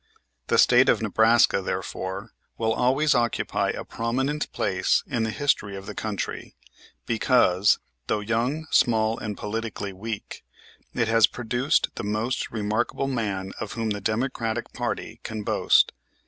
The State of Nebraska, therefore, will always occupy a prominent place in the history of the country, because, though young, small, and politically weak, it has produced the most remarkable man of whom the Democratic party can boast.